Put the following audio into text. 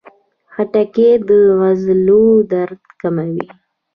خټکی د عضلو درد کموي.